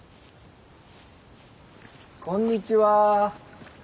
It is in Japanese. こんにちは。